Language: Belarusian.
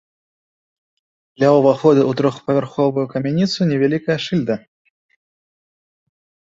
Ля ўваходу ў трохпавярховую камяніцу невялікая шыльда.